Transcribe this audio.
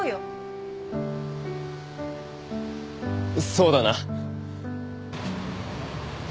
そうだな。